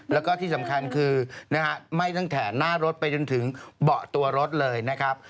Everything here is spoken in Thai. แล้วก็ที่สำคัญคือนะฮะไหม้ตั้งแต่หน้ารถไปจนถึงเบาะตัวรถเลยนะครับ